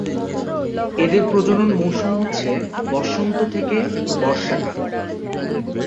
এদের প্রজনন মৌসুম হচ্ছে বসন্ত থেকে বর্ষাকাল।